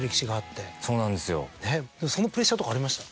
そのプレッシャーとかありました？